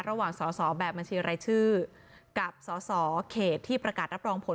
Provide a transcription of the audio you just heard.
ระหว่างสอสอแบบบัญชีรายชื่อกับสสเขตที่ประกาศรับรองผล